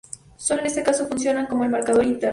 Sólo en este caso, funcionan como el marcador interno.